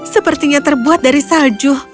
sepertinya terbuat dari salju